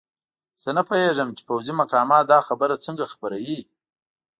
زه نه پوهېږم چې پوځي مقامات دا خبره څنګه خپروي.